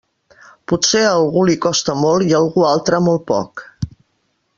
Potser a algú li costa molt i a algú altre molt poc.